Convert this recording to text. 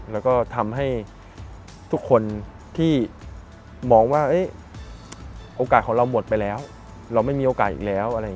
แล้วก็ทำให้ทุกคนที่มองว่าโอกาสของเราหมดไปแล้วเราไม่มีโอกาสอีกแล้ว